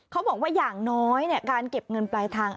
เขาบอกว่าอย่างน้อยการเก็บเงินปลายทาง